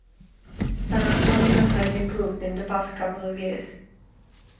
San Antonio has improved in the past couple of years.